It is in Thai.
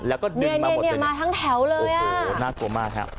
แล้วก็เนี่ยมาทั้งแถวเลยอ่ะโอ้โหน่ากลัวมากครับ